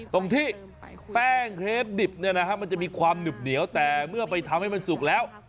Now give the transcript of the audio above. ตรงที่แป้งเครปดิบมันจะมีความหนึบเหนียวแต่เมื่อไปทำให้มันสุกแล้ว